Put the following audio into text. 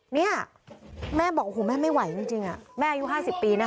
เนี้ยแม่บอกโอ้โหแม่ไม่ไหวจริงจริงอ่ะแม่อายุห้าสิบปีนะคะ